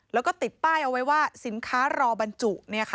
แล้วก็ติดป้ายเอาไว้ว่าสินค้ารอบรรจุ